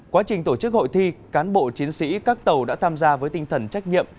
quá trình tổ chức hội thi cán bộ chiến sĩ các tàu đã tham gia với tinh thần trách nhiệm